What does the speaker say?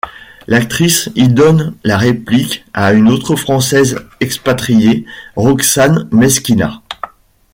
L'actrice y donne la réplique à une autre française expatriée, Roxane Mesquida.